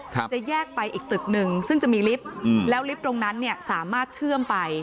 จะแยกไปอีกตึกหนึ่งซึ่งจะมีลิฟต์อืมแล้วลิฟต์ตรงนั้นเนี่ยสามารถเชื่อมไป